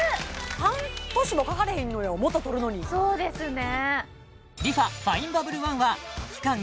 半年もかかれへん元取るのにそうですね